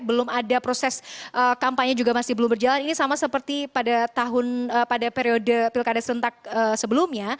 belum ada proses kampanye juga masih belum berjalan ini sama seperti pada periode pilkada serentak sebelumnya